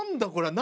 何？